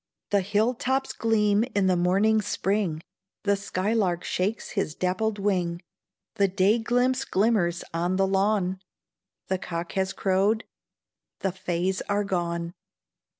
The hill tops gleam in morning's spring, The sky lark shakes his dappled wing, The day glimpse glimmers on the lawn, The cock has crowed, the Fays are gone.